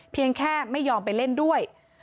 เพียงแค่ไม่ยอมไปเล่นด้วย